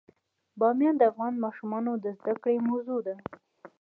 بامیان د افغان ماشومانو د زده کړې موضوع ده.